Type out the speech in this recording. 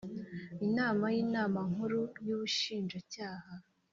Inama y inama nkuru y ubushinjacyaha